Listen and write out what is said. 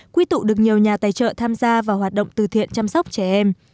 quy tụ được nhiều nhà tài trợ tham gia vào hoạt động từ thiện chăm sóc trẻ em